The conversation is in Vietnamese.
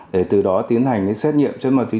để từ đó tiến hành xét nghiệm chất ma túy